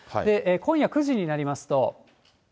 今夜９時になりますと。